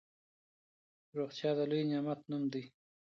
روغتيا د لوی نعمت نوم دی.